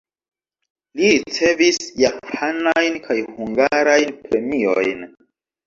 Li ricevis japanajn kaj hungarajn premiojn.